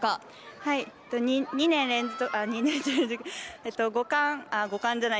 はい、２年連続５冠じゃない。